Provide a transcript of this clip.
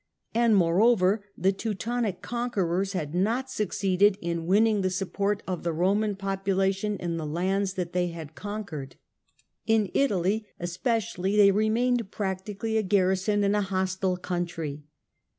And, moreover, the Teutonic conquerors had not succeeded in winning the support of the Roman population in the lands that they had conquered. In JUSTINIAN 57 Italy, especially, they remained practically a garrison in a hostile country.